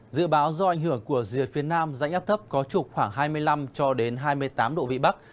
dự báo do ảnh hưởng của rìa phía nam dãnh áp thấp có trục khoảng hai mươi năm cho đến hai mươi tám độ vị bắc